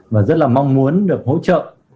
và rất là mong muốn được hỗ trợ